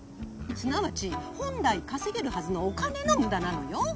すなわち本来稼げるはずのお金の無駄なのよ。